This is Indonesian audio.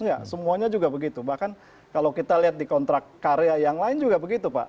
ya semuanya juga begitu bahkan kalau kita lihat di kontrak karya yang lain juga begitu pak